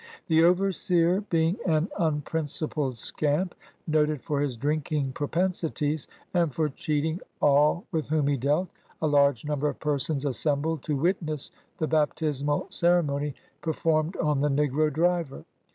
The overseer being an un principled scamp, noted for his drinking propensities, and for cheating all with whom he dealt, a large num ber of persons assembled to witness the baptismal cer emony performed on the negro driver.